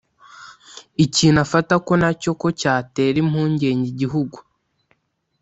ikintu afata ko nacyo ko cyatera impungenge igihugu